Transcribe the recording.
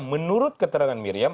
menurut keterangan miriam